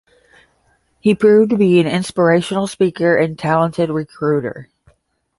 He proved to be an inspirational speaker and talented recruiter.